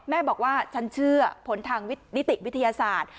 แม่บอกว่าฉันเชื่อผลทางนิติวิทยาศาสตร์